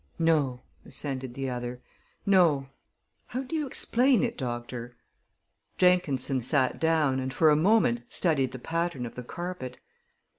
"No," assented the other. "No. How do you explain it, doctor?" Jenkinson sat down, and for a moment studied the pattern of the carpet.